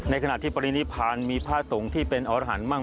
ในขณะที่ปริศนิพพานมีภาคสงฆ์ที่เป็นอรหัสบ้าง